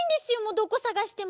どこさがしても。